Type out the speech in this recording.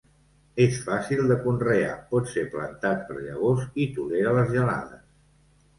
És fàcil de conrear, pot ser plantat per llavors i tolera les gelades.